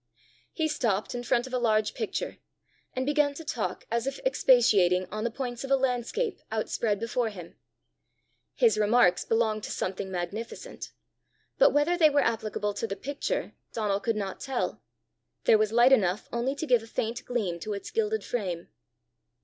He stopped in front of a large picture, and began to talk as if expatiating on the points of a landscape outspread before him. His remarks belonged to something magnificent; but whether they were applicable to the picture Donal could not tell; there was light enough only to give a faint gleam to its gilded frame.